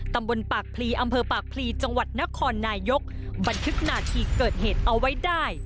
ตำบลปากพลีอำเภอปากพลีจังหวัดนครนายกบันทึกนาทีเกิดเหตุเอาไว้ได้